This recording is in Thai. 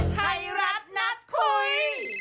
ไทยรัฐนัดคุย